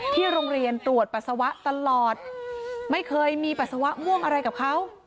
โรงเรียนตรวจปัสสาวะตลอดไม่เคยมีปัสสาวะม่วงอะไรกับเขา